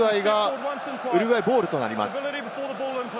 ウルグアイボールとなります。